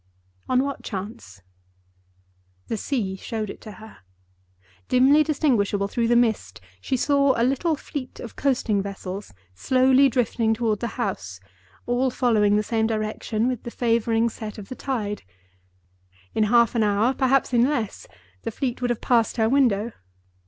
On what chance? The sea showed it to her. Dimly distinguishable through the mist, she saw a little fleet of coasting vessels slowly drifting toward the house, all following the same direction with the favoring set of the tide. In half an hour—perhaps in less—the fleet would have passed her window.